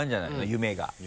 夢が。